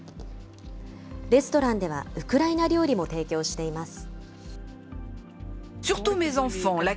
レストランではウクライナ料理も提供しています。